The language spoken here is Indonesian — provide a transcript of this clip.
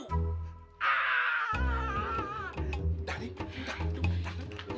dari dari dari